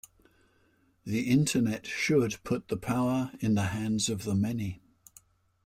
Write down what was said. The Internet should put the power in the hands of the many.